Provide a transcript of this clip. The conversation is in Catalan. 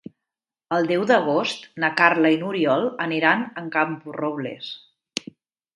El deu d'agost na Carla i n'Oriol aniran a Camporrobles.